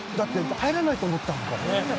入らないと思ったもん！